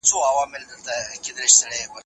هغه سړی چې لنګۍ یې تړلې وه زما تره دی.